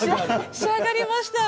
仕上がりました。